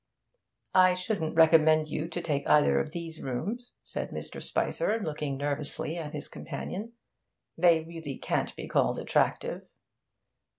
'I shouldn't recommend you to take either of these rooms,' said Mr. Spicer, looking nervously at his companion. 'They really can't be called attractive.'